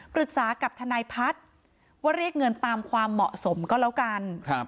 ปรึกษากับทนายพัฒน์ว่าเรียกเงินตามความเหมาะสมก็แล้วกัน